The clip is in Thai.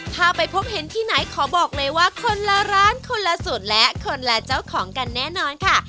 ถ้าไปพบเห็นที่ไหนขอบอกเลยว่าคนละร้านคนละสูตรและคนละเจ้าของกันแน่นอนค่ะ